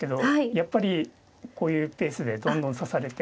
やっぱりこういうペースでどんどん指されて。